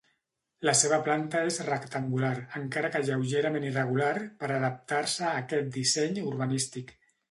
La seva planta és rectangular, encara que lleugerament irregular per adaptar-se a aquest disseny urbanístic.